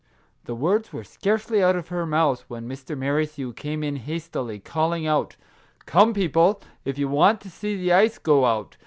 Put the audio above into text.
" The words were scarcely out of her mouth when Mr. Merrithew came in hastily, calling out :" Come, people, if you want to see the ice go out.